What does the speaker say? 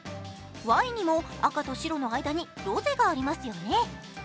ワインにも赤と白の間にロゼがありますよねね。